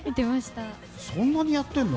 そんなにやっているの？